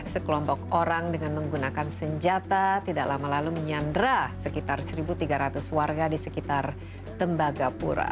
sekelompok orang dengan menggunakan senjata tidak lama lalu menyandra sekitar satu tiga ratus warga di sekitar tembagapura